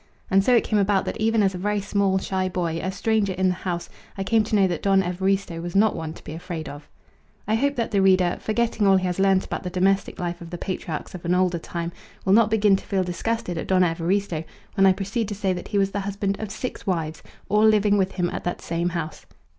And so it came about that even as a very small shy boy, a stranger in the house, I came to know that Don Evaristo was not one to be afraid of. I hope that the reader, forgetting all he has learnt about the domestic life of the patriarchs of an older time, will not begin to feel disgusted at Don Evaristo when I proceed to say that he was the husband of six wives, all living with him at that same house.